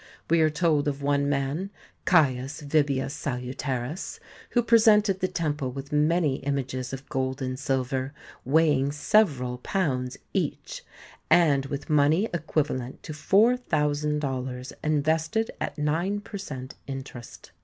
We are told of one man, Caius Vibius Salutaris, who presented the temple with many images of gold and silver weigh ing several pounds each, and with money equiva lent to four thousand dollars invested at nine per cent, interest.